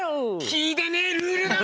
聞いてねえルールだな！